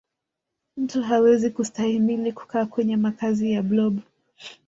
mtu hawezi kustahimili kukaa kwenye makazi ya blob